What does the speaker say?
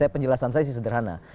penjelasan saya sih sederhana